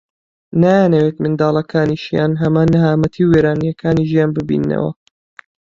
نایانەوێت منداڵەکانیشیان هەمان نەهامەتی و وێرانەییەکانی ژیان ببیننەوە